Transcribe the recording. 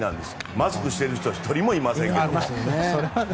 マスクしている人は１人もいません。